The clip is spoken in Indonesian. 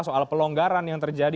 soal pelonggaran yang terjadi